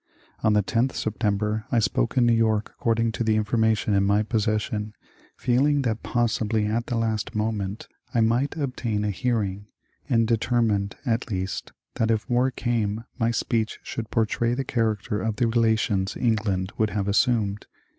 On the 10th Sept. 1 spoke in New York according to the information in my possession, feeling that possibly at the last moment I might obtain a hearing, and determined at least that, if war came, my speech should portray the character of the relations England would have assumed.